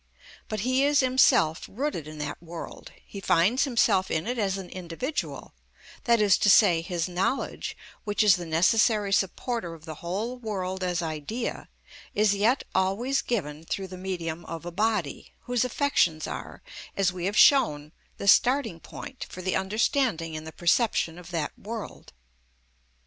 But he is himself rooted in that world; he finds himself in it as an individual, that is to say, his knowledge, which is the necessary supporter of the whole world as idea, is yet always given through the medium of a body, whose affections are, as we have shown, the starting point for the understanding in the perception of that world.